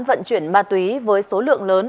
vận chuyển ma túy với số lượng lớn